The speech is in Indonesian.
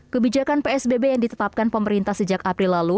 kebijakan psbb yang ditetapkan pemerintah sejak april lalu